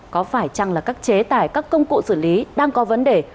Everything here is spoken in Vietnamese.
có phải chăng là các chế tài các công cụ xử lý đang có vấn đề